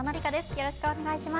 よろしくお願いします。